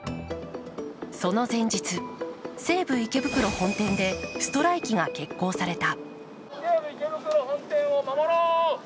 その前日、西武池袋本店でストライキが決行された。